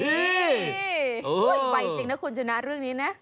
นี่ไวจริงนะคุณชนะเรื่องนี้นะ